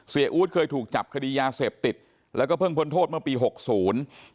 อู๊ดเคยถูกจับคดียาเสพติดแล้วก็เพิ่งพ้นโทษเมื่อปีหกศูนย์